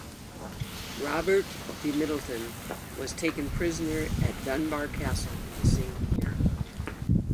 Robert de Middleton was taken prisoner at Dunbar Castle in the same year.